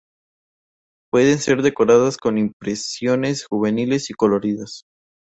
Pueden ser decoradas con impresiones juveniles y coloridas.